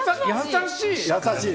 優しい。